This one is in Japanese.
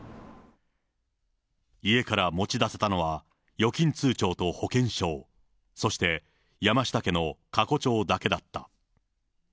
家から持ち出せたのは、預金通帳と保険証、そして山下家の過去帳だけだった。